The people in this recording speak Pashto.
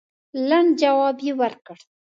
لنډ جواب یې ورکړ.